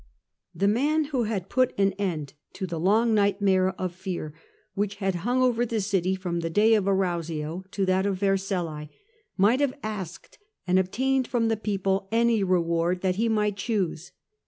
The man who had put an end to the long nightmare of fear which had hung over the city from the day of Arausio to that of Vercellae, might have asked and obtained from the people any reward that he might choose.